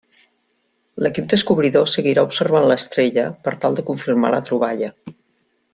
L'equip descobridor seguirà observant l'estrella per tal de confirmar la troballa.